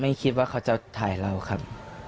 คิดว่าเขาจะถ่ายเราครับ